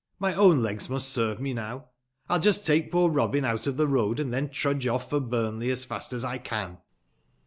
My own legs muBt serve me now. I'll just take poor Eobin out of tbe road, and tben trudge off for Buniley as fast as I can.'